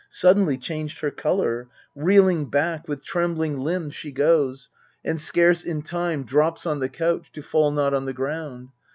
Suddenly changed her colour: reeling back MEDEA 28l With trembling limbs she goes; and scarce in time Drops on the couch to fall not on the ground.